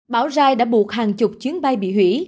bão ra đã buộc hàng chục chuyến bay bị hủy